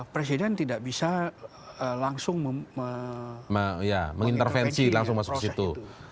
presiden tidak bisa langsung mengintervensi proses itu